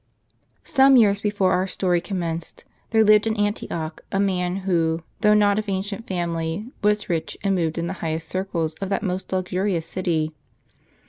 Some years before our story commenced, there lived in Antioch a man who, though not of ancient family, was rich, and moved in the highest circles of that most luxurious city.